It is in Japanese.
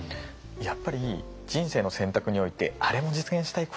やっぱり人生の選択においてあれも実現したい